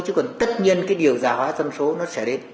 chứ còn tất nhiên cái điều giả hóa dân số nó sẽ đến